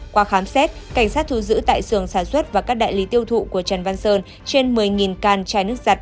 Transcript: qua khám xét cảnh sát thu giữ tại sưởng sản xuất và các đại lý tiêu thụ của trần văn sơn trên một mươi can trái nước giặt